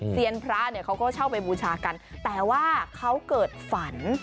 เซียนพระเนี่ยเขาก็เช่าไปบูชากันแต่ว่าเขาเกิดฝัน